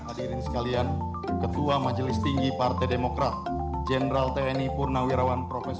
hadirin sekalian ketua majelis tinggi partai demokrat jenderal tni purnawirawan prof